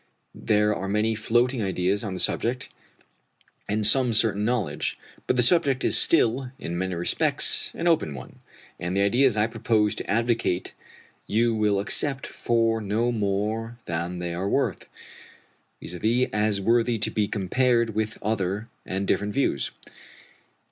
There are many floating ideas on the subject, and some certain knowledge. But the subject is still, in many respects, an open one, and the ideas I propose to advocate you will accept for no more than they are worth, viz. as worthy to be compared with other and different views.